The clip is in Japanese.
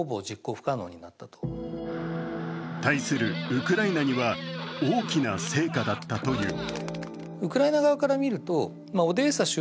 ウクライナには大きな成果だったという。